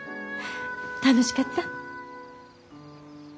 楽しかった？